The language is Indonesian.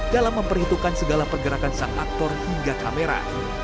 dalam memperhitungkan segala pergerakan sang aktor hingga kamera